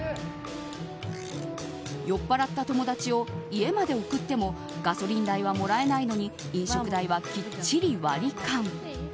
酔っ払った友達を家まで送ってもガソリン代はもらえないのに飲食代はきっちり割り勘。